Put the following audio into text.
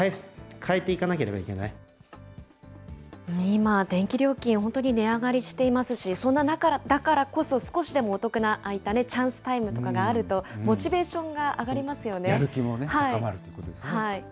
今、電気料金、本当に値上がりしていますし、そんな中だからこそ、少しでもお得な、ああいったチャンスタイムとかがあるとモチベーションが上がりまやる気もね、高まるということですよね。